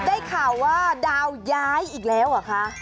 ได้ข่าวว่าดาวย้ายอีกแล้วเหรอคะ